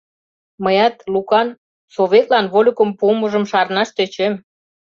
Мыят Лукан Советлан вольыкым пуымыжым шарнаш тӧчем.